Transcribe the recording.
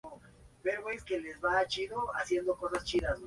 Para ello eligió un campo abandonado en la antigua Fábrica del Nitrógeno.